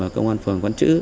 công an phường quán trữ